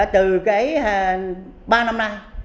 từ cái ba năm nay